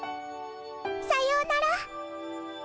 さようなら。